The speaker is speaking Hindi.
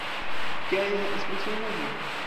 क्या यह असली सोना है?